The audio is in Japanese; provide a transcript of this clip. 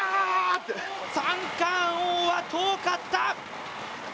三冠王は遠かった！